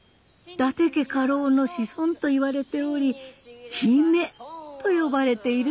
伊達家家老の子孫といわれており姫と呼ばれているとか。